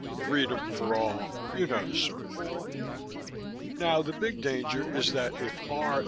Freedom for all you know the sort of thing. Now the big danger is that if R.